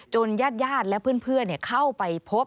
ญาติและเพื่อนเข้าไปพบ